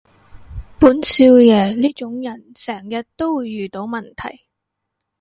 本少爺呢種人成日都會遇到問題